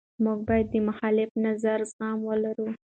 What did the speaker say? موږ باید د مخالف نظر زغم ولرو.